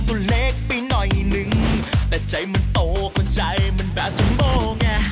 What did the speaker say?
เธอต้องไปให้ป่อยแล้ววะ